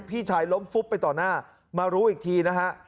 พี่ชายล้มฟุบไปต่อหน้ามารู้อีกทีนะฮะ